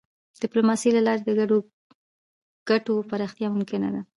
د ډيپلوماسی له لارې د ګډو ګټو پراختیا ممکنه ده.